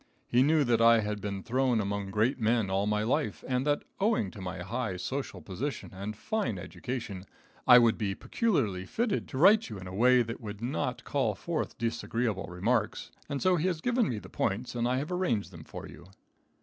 He knew that I had been thrown among great men all my life, and that, owing to my high social position and fine education, I would be peculiarly fitted to write you in a way that would not call forth disagreeable remarks, and so he has given me the points and I have arranged them for you.